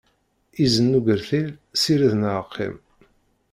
Iẓẓan n ugertil, sired neɣ qqim!